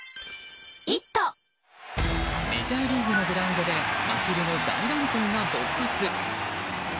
メジャーリーグのグラウンドで真昼の大乱闘が勃発！